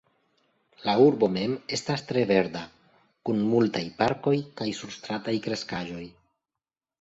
La urbo mem estas tre verda, kun multaj parkoj kaj surstrataj kreskaĵoj.